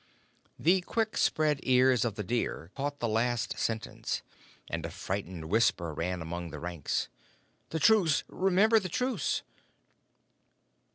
The quick spread ears of the deer caught the last sentence, and a frightened whisper ran along the ranks. "The Truce! Remember the Truce!"